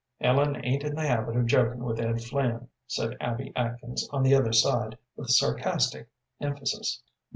"Ellen ain't in the habit of joking with Ed Flynn," said Abby Atkins, on the other side, with sarcastic emphasis.